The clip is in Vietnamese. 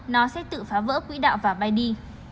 nó sẽ tự phá vỡ quỹ đạo và bay đi